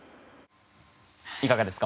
いかがですか？